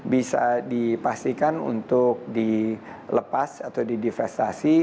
bisa dipastikan untuk dilepas atau didivestasi